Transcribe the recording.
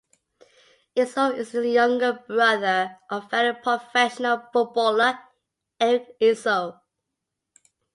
Esso is the younger brother of fellow professional footballer Eric Esso.